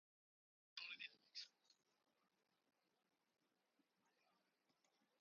It is based in New Delhi with a network of centers on the globe.